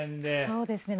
そうですね。